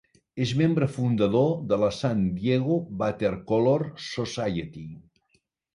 És membre fundador de la San Diego Watercolor Society.